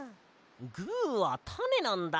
グーはタネなんだ。